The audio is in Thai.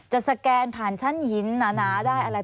สแกนผ่านชั้นหินหนาได้อะไร